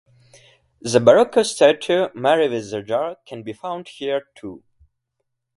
The Baroque statue, "Mary with the jar" can be found here too.